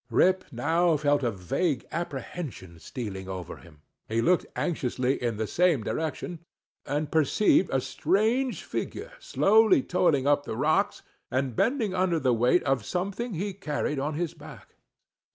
Rip now felt a vague apprehension stealing over him; he looked anxiously in the same direction, and perceived a strange figure slowly toiling up the rocks, and bending under the weight of something he carried on his back.